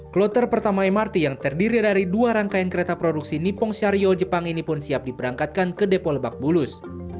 kloter pertama mrt yang terdiri dari dua rangkaian kereta produksi nipong syario jepang ini pun siap diberangkatkan ke depo lebak bulus